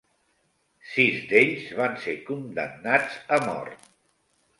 Sis d'ells van ser condemnats a mort.